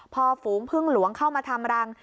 พอฝูงพึ่งหลวงเข้ามาทำรัง